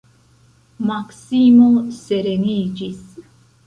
Maksimo sereniĝis.